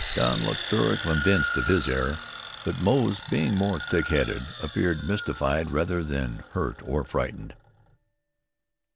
Don looked thoroughly convinced of his error, but Moze, being more thick headed, appeared mystified rather than hurt or frightened.